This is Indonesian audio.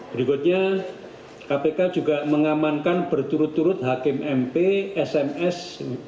berikutnya kpk juga mengamankan berturut turut hakim mp sms